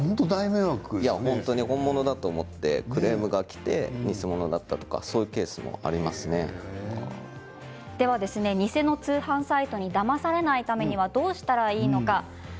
本物だと思ってクレームがきてそれが偽物だったという偽の通販サイトにだまされないためにどうしたらいいのか。